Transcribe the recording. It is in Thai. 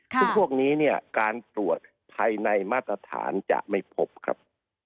ในโรคนี้การตรวจภายในมาตรฐานจะไม่พบครับ